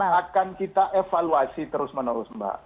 skenario itu kan akan kita evaluasi terus menerus mbak